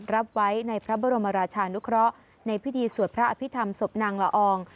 รับไว้ในพระบรมราชานุเคราะห์ในพิธีสวดพระอภิษฐรรมศพนางละออง